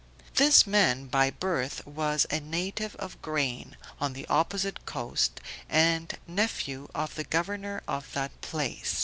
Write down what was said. This man by birth was a native of Grain, on the opposite coast, and nephew of the governor of that place.